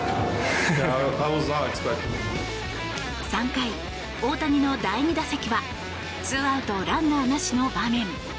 ３回、大谷の第２打席はツーアウトランナーなしの場面。